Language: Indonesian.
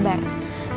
udah lah sabar